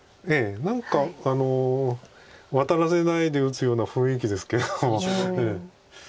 何かワタらせないで打つような雰囲気ですけども。